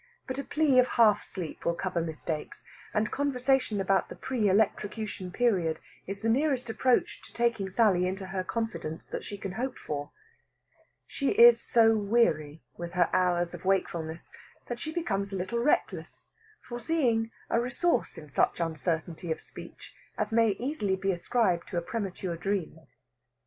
But a plea of half sleep will cover mistakes, and conversation about the pre electrocution period is the nearest approach to taking Sally into her confidence that she can hope for. She is so weary with her hours of wakefulness that she becomes a little reckless, foreseeing a resource in such uncertainty of speech as may easily be ascribed to a premature dream.